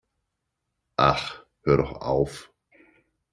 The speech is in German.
Ach, hör doch auf!